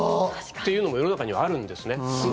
というのも世の中にはあるんですね。